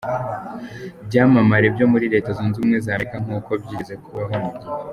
byamamare byo muri Leta Zunze Ubumwe za Amerika nkuko byigeze kubaho mu gihe.